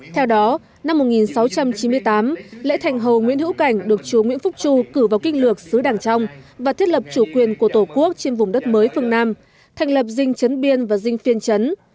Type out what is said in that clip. theo đó năm một nghìn sáu trăm chín mươi tám lễ thành hầu nguyễn hữu cảnh được chúa nguyễn phúc chu cử vào kinh lược xứ đảng trong và thiết lập chủ quyền của tổ quốc trên vùng đất mới phương nam thành lập dinh chấn biên và dinh phiên trấn